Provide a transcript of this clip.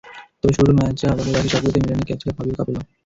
তবে শুরুর ম্যাচটা বাদে বাকি সবগুলোতেই মিলানের কোচ ছিলেন ফাবিও ক্যাপেলো।